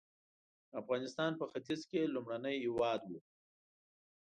افغانستان په ختیځ کې لومړنی هېواد و.